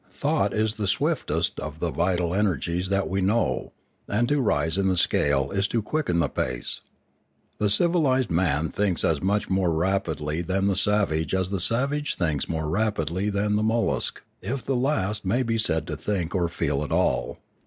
Thought is the swiftest of the vital energies that we know, and to rise in the scale is to quicken the pace. The civilised man thinks as much more rapidly than the savage as the savage thinks more rapidly than the mollusc, if the last may be said to think or feel at all.